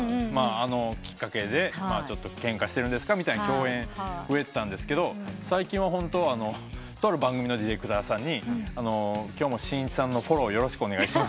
あのきっかけで「ケンカしてるんですか？」みたいに共演増えたんですが最近は撮る番組のディレクターさんに今日もしんいちさんのフォローよろしくお願いしますって。